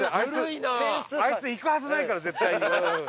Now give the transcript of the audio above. あいつ行くはずないから絶対に。